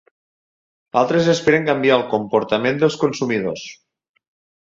Altres esperen canviar el comportament dels consumidors.